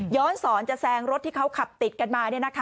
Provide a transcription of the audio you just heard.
สอนจะแซงรถที่เขาขับติดกันมา